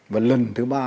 và lần thứ ba